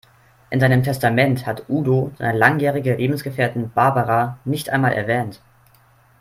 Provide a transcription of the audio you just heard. In seinem Testament hat Udo seine langjährige Lebensgefährtin Barbara nicht einmal erwähnt.